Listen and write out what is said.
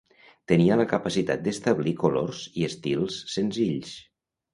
Tenia la capacitat d'establir colors i estils senzills.